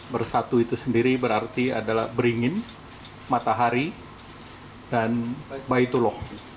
bersatu itu sendiri berarti adalah beringin matahari dan baitullah